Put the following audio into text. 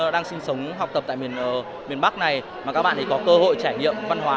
đang sinh sống học tập tại miền bắc này mà các bạn ấy có cơ hội trải nghiệm văn hóa